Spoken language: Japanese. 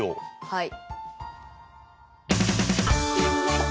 はい。